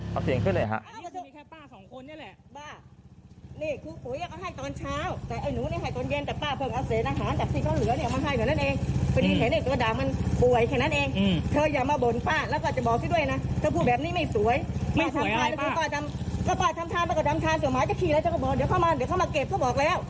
พับเสียงขึ้นเลยครับ